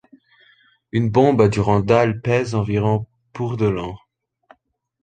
Une bombe Durandal pèse environ pour de long.